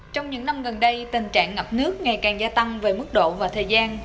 trong những năm gần đây tình trạng ngập nước ngày càng gia tăng về mức độ và thời gian